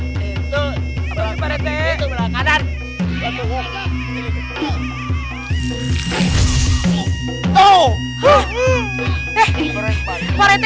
apa sih pak rete